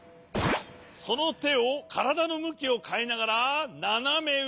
そのてをからだのむきをかえながらななめうえにシャキーン！